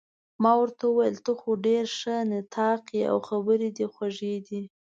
ما ورته وویل: ته خو ډېر ښه نطاق يې، او خبرې دې خوږې دي.